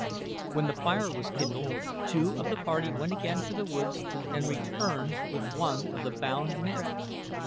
When the fire was kindled, two of the party went again to the woods and returned with one of the bound men.